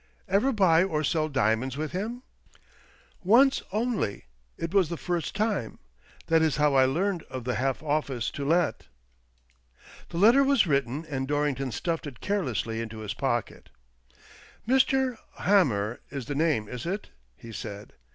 " Ever buy or sell diamonds with him? "" Once only. It was the first time. That is how I learned of the half office to let." The letter was written, and Dorrington stuffed it carelessly into his pocket. " Mr. Hamer is the name, is it? " he said.